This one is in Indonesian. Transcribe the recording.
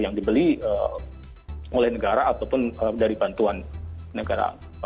yang dibeli oleh negara ataupun dari bantuan negara